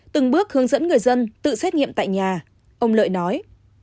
từng bước hướng dẫn người dân tự xét nghiệm tại nhà ông lợi nói